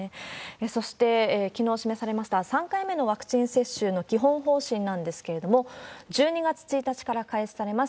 そして、きのう示されました３回目のワクチン接種の基本方針なんですけれども、１２月１日から開始されます。